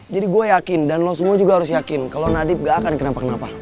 jadi gue yakin dan lo semua juga harus yakin kalo nadif gak akan kenapa napa